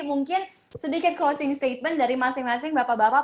mungkin sedikit closing statement dari masing masing bapak bapak